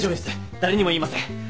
誰にも言いません。